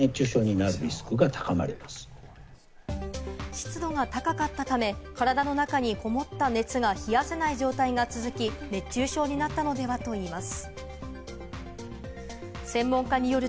湿度が高かったため、体の中にこもった熱が冷やせない状態が続き、熱中症になったのでは？といいます。